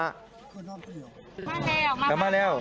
มาแล้วมาแล้ว